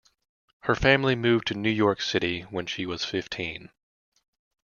Her family moved to New York City when she was fifteen.